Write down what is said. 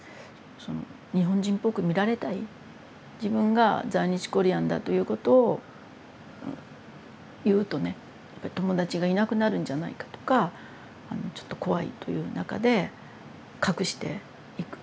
その日本人っぽく見られたい自分が在日コリアンだということを言うとね友達がいなくなるんじゃないかとかちょっと怖いという中で隠していく。